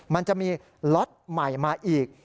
มันจะมีล็อตใหม่มาอีก